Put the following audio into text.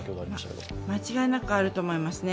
間違いなくあると思いますね。